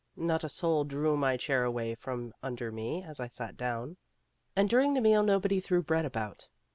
Not a soul drew my chair away from under me as I sat down, and during the meal nobody threw bread about.